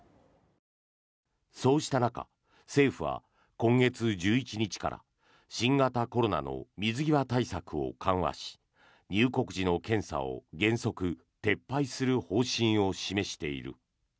そうした中、政府は今月１１日から新型コロナの水際対策を緩和し入国時の検査を原則撤廃する方針を示している。